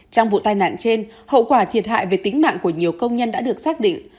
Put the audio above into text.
trong vụ tai nạn trên hậu quả thiệt hại về tính mạng của nhiều công nhân đã được xác định